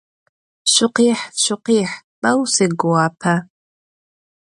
Şükhih, şsukhih! Bou siguape.